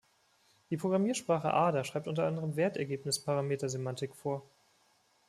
Die Programmiersprache Ada schreibt unter anderem Wertergebnisparameter-Semantik vor.